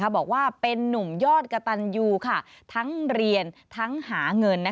บอกว่าเป็นนุ่มยอดกระตันยูทั้งเรียนทั้งหาเงิน